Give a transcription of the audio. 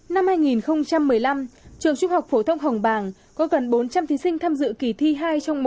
năm hai nghìn một mươi năm trường trung học phổ thông hồng bàng có gần bốn trăm linh thí sinh tham dự kỳ thi hai trong một